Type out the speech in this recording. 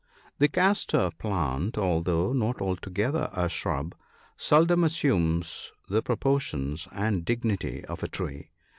The castor plant, although not altogether a shrub, seldom assumes the proportions and dignity of a tree.